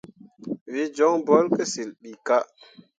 Wǝ jon bolle ki cil ɓii kah.